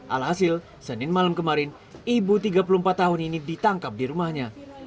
alhasil senin malam kemarin ibu tiga puluh empat tahun ini ditangkap di rumahnya